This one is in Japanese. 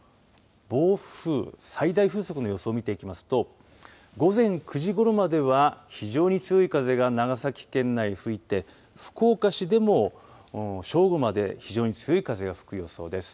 暴風最大風速の予想を見ていきますと午前９時ごろまでは非常に強い風が長崎県内吹いて福岡市でも正午まで非常に強い風が吹く予想です。